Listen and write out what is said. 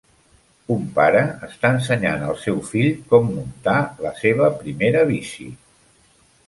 Un pare està ensenyant al seu fill com muntar la seva primer bici.